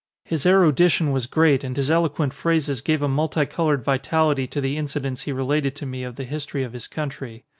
His erudition was great and his eloquent phrases gave a multi coloured vitality to the incidents he related to me of the history of his country.